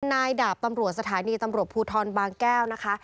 นายดาบตำรวจสถานีตำรวจภูทรบางแก้วนะคะ